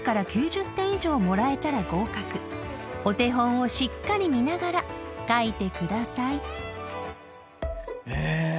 ［お手本をしっかり見ながら書いてください］え！